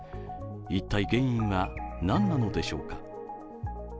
一体、原因は何なのでしょうか？